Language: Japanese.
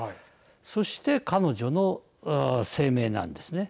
そして、彼女の声明なんですね。